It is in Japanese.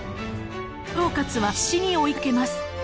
趙括は必死に追いかけます。